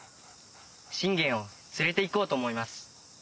シンゲンを連れて行こうと思います。